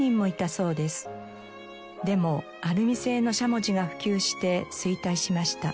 でもアルミ製の杓文字が普及して衰退しました。